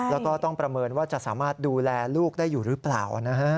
แล้วก็ต้องประเมินว่าจะสามารถดูแลลูกได้อยู่หรือเปล่า